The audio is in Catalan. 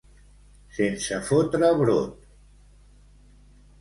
Sense fotre brot.